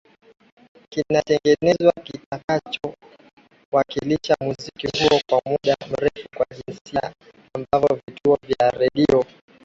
kinatengenezwa kitakacho wakilisha muziki huo kwa muda mrefu Kwa jinsi ambavyo vituo vya redio